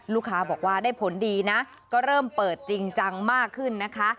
ลูกค้าบอกว่าได้ผลดีนะก็เริ่มเปิดจริงจังมากขึ้นนะคะ